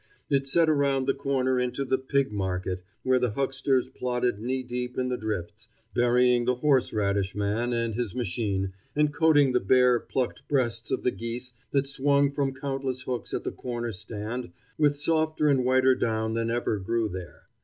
It set around the corner into the Pig Market, where the hucksters plodded knee deep in the drifts, burying the horseradish man and his machine, and coating the bare, plucked breasts of the geese that swung from countless hooks at the corner stand with softer and whiter down than ever grew there.